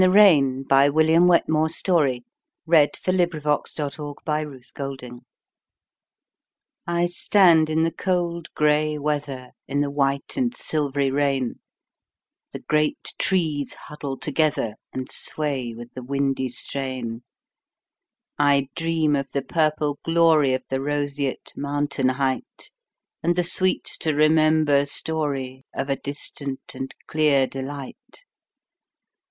1912. William Wetmore Story 1819–1895 William Wetmore Story 123 In the Rain I STAND in the cold gray weather, In the white and silvery rain; The great trees huddle together, And sway with the windy strain.I dream of the purple gloryOf the roseate mountain heightAnd the sweet to remember storyOf a distant and clear delight.